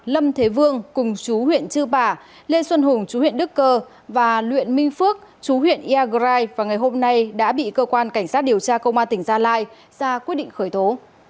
lâm thế vương cùng chú huyện chư bả lê xuân hùng chú huyện đức cơ và luyện minh phước chú huyện iagrai vào ngày hôm nay đã bị cơ quan cảnh sát điều tra công an tỉnh gia lai ra quyết định khởi tố